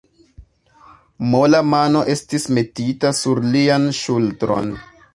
Mola mano estis metita sur lian ŝultron.